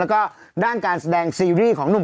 แล้วก็ด้านการแสดงซีรีส์ของหนุ่ม